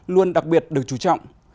luôn đặc biệt được chú trọng